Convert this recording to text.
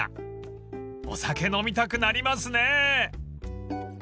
［お酒飲みたくなりますね］